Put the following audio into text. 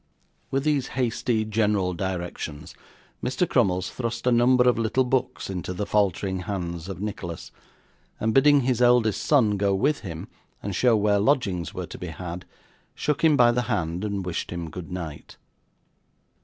With these hasty general directions Mr. Crummles thrust a number of little books into the faltering hands of Nicholas, and bidding his eldest son go with him and show where lodgings were to be had, shook him by the hand, and wished him good night.